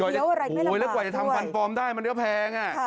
แล้วกว่าจะทำฟันฟอมได้มันก็แพง